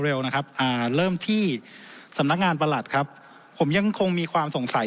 เร็วนะครับอ่าเริ่มที่สำนักงานประหลัดครับผมยังคงมีความสงสัย